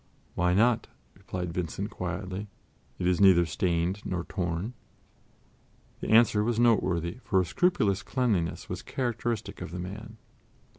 "Why not?" replied Vincent quietly; "it is neither stained nor torn." The answer was noteworthy, for a scrupulous cleanliness was characteristic of the man.